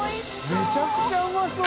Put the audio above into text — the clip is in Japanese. めちゃくちゃうまそう！